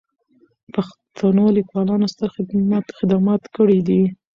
پښتنو لیکوالانو ستر خدمات کړي دي.